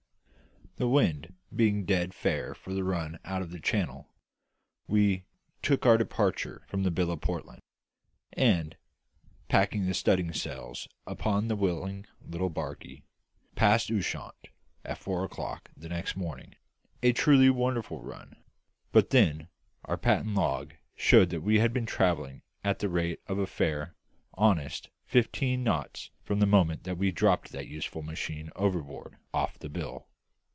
The wind being dead fair for the run out of the Channel, we "took our departure" from the Bill of Portland; and, packing the studding sails upon the willing little barkie, passed Ushant at four o'clock the next morning a truly wonderful run; but then our patent log showed that we had been travelling at the rate of a fair, honest fifteen knots from the moment that we dropped that useful machine overboard off the Bill.